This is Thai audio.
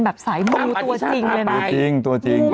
เอาอีก